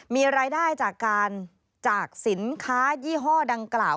มีรายได้จากการจากสินค้ายี่ห้อดังกล่าว